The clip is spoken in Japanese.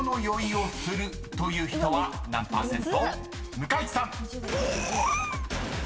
［向井地さん］え⁉